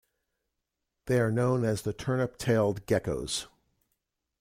They are known as the turnip-tailed geckos.